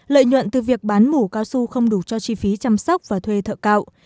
lợi nhuận từ việc bán mũ cao su không đủ cho chi phí chăm sóc và thuê thợ cạo